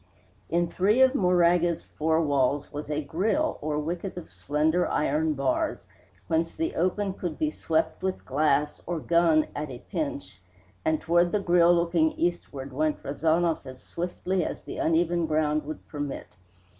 In three of Moraga's four walls was a grille, or wicket of slender iron bars, whence the open could be swept with glass, or gun at a pinch; and toward the grille looking eastward went Rezanov as swiftly as the uneven ground would permit.